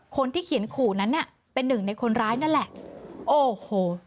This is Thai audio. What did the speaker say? คนที่เขียนขู่นั้นน่ะเป็นหนึ่งในคนร้ายนั่นแหละโอ้โห